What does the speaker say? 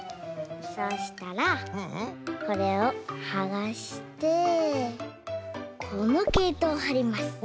そしたらこれをはがしてこのけいとをはります。